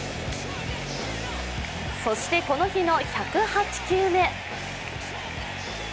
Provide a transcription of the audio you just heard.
そしてこの日の１０８球目。